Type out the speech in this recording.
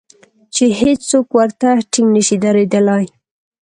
چې هېڅوک ورته ټینګ نشي درېدلای.